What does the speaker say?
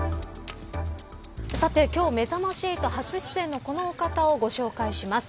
さて、今日めざまし８初出演のこの方をご紹介します。